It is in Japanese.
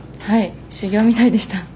修業みたいでした。